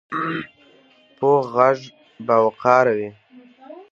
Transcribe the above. پوخ غږ باوقاره وي